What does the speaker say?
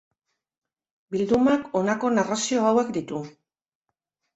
Bildumak honako narrazio hauek ditu.